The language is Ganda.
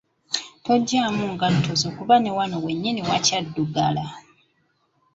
Toggyamu ngatto zo kuba ne wano wennyini wa kyaddugala.